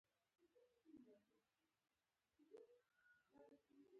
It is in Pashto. ژوندي هڅه کوي